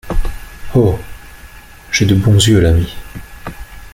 Oh ! j’ai de bons yeux, l’ami.